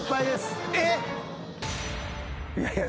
いやいや。